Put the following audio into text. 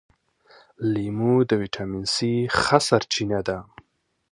لیمو د ویټامین سي ښه سرچینه ده.